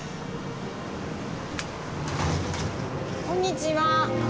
こんにちは。